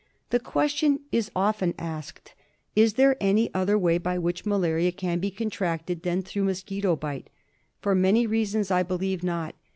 The question is often asked, Is there any other way by which malaria can be contracted than through mosquito bite ? For many reasons, I believe not.